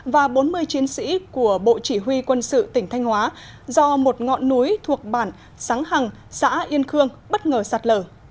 và bốn mươi chiến sĩ của bộ chỉ huy quân sự tỉnh thanh hóa do một ngọn núi thuộc bản sáng hằng xã yên khương bất ngờ sạt lở